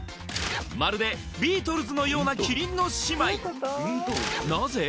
まるでビートルズのようなキリンの姉妹なぜ？